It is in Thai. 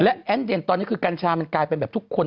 และแอ้นเด่นตอนนี้คือกัญชามันกลายเป็นแบบทุกคน